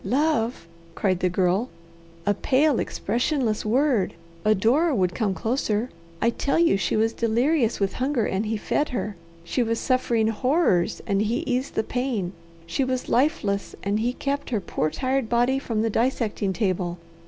"Love!" cried the Girl. "A pale, expressionless word! Adore would come closer! I tell you she was delirious with hunger, and he fed her. She was suffering horrors and he eased the pain. She was lifeless, and he kept her poor tired body from the dissecting table.